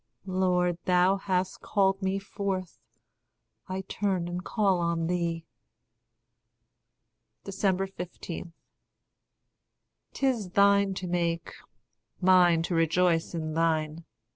Lord, thou hast called me fourth, I turn and call on thee. 15. 'Tis thine to make, mine to rejoice in thine.